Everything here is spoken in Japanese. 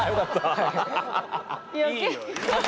はい。